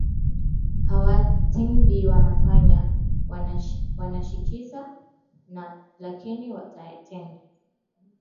hawatendi wanafanya wananshikiza tu lakini hawatendi